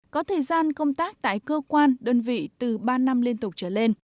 có thời gian công tác tại cơ quan đơn vị từ ba năm liên tục trở lên